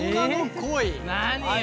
何よ。